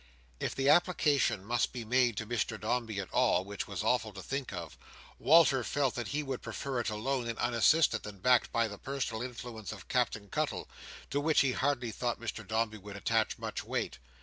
If the application must be made to Mr Dombey at all, which was awful to think of, Walter felt that he would rather prefer it alone and unassisted, than backed by the personal influence of Captain Cuttle, to which he hardly thought Mr Dombey would attach much weight.